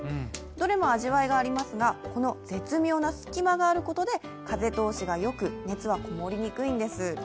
どれも味わいがありますが、この絶妙な隙間によって風通しがよく、熱がこもりやすいんです。